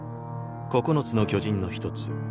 九つの巨人の一つ